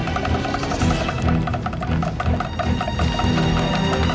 saya mau datang ke sana